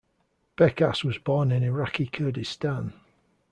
Bekas was born in Iraqi Kurdistan.